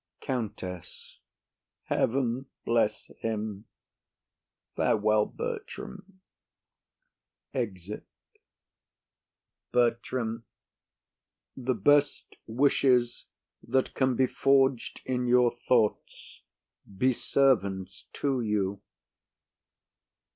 COUNTESS. Heaven bless him! Farewell, Bertram. [Exit Countess.] BERTRAM. The best wishes that can be forg'd in your thoughts be servants to you!